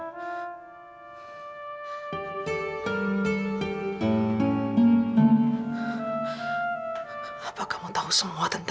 jangan nyokap keras juga